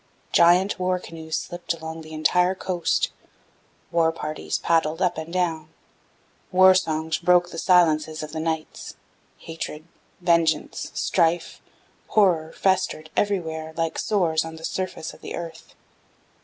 Giant war canoes slipped along the entire coast, war parties paddled up and down, war songs broke the silences of the nights, hatred, vengeance, strife, horror festered everywhere like sores on the surface of the earth.